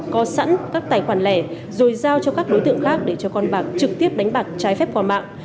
có sẵn các tài khoản lẻ rồi giao cho các đối tượng khác để cho con bạc trực tiếp đánh bạc trái phép qua mạng